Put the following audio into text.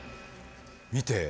見て。